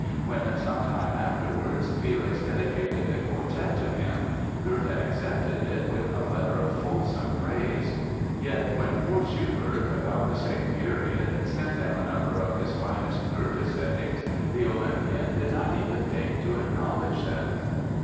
When some time afterwards Felix dedicated a quartet to him, Goethe accepted it with a letter of fulsome praise. Yet when poor Schubert about the same period sent him a number of his finest Goethe settings the Olympian did not even deign to acknowledge them!